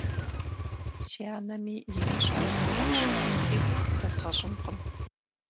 Си анэми имыщӀэмэ нэхъыфӀщ, игу хэзгъэщӀынкъым.